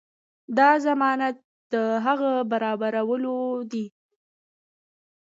دا ضمانت د هغه برابرولو دی.